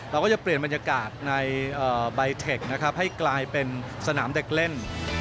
เราก็จะเปลี่ยนบรรยากาศในใบเทคนะครับให้กลายเป็นสนามเด็กเล่น